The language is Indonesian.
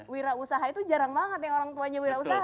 wirausaha itu jarang banget yang orang tuanya wirausaha